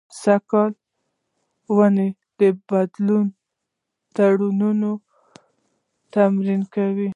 سږ کال ونې د بدلون د ترانو تمرین کوي